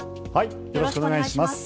よろしくお願いします。